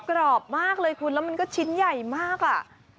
กรอบมากเลยคุณแล้วมันก็ชิ้นใหญ่มากอ่ะ